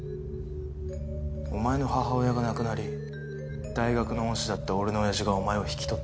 お前の母親が亡くなり大学の恩師だった俺の親父がお前を引き取った。